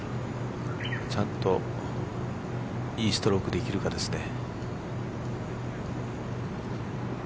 ちゃんといいストロークできるかですね。